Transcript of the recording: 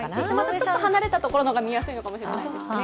ちょっと離れたところの方が見やすいのかもしれないですね。